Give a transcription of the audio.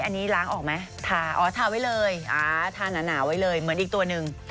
อันนี้ล้างออกไหมทาอ๋อทาไว้เลยทาหนาไว้เลยเหมือนอีกตัวหนึ่ง